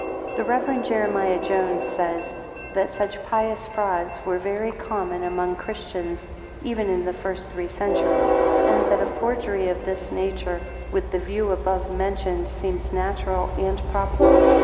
The Rev. Jeremiah Jones says, that such pious frauds were very common among Christians even in the first three centuries; and that a forgery of this nature, with the view above mentioned, seems natural and probable.